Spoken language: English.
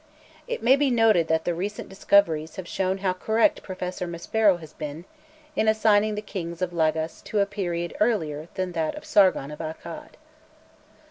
It may be noted that the recent discoveries have shown how correct Professor Maspero has been in assigning the kings of Lagas to a period earlier than that of Sargon of Akkad.